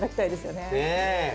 ねえ。